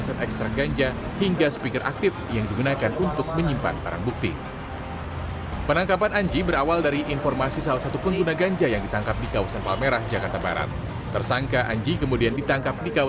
sekali lagi saya meminta maaf kepada semua pihak yang telah kecewa dengan kejadian ini